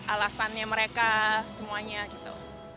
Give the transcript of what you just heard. alasannya mereka semuanya gitu